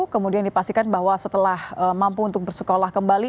kemudian dipastikan bahwa setelah mampu untuk bersekolah kembali